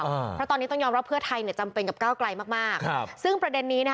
เพราะตอนนี้ต้องยอมรับเพื่อไทยเนี่ยจำเป็นกับก้าวไกลมากมากครับซึ่งประเด็นนี้นะคะ